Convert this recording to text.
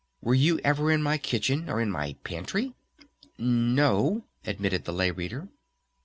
"Were you ever in my kitchen? Or my pantry?" "No," admitted the Lay Reader.